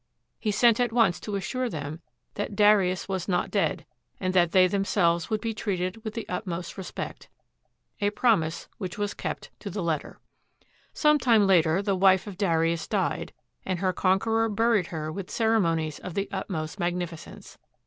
He sent at once to assure them that Darius was not dead, and that they themselves would be treated with the utmost respect — a promise which was kept to the letter. Some time later, the wife of Darius died, and her conqueror buried her with ceremonies of the utmost magnificence.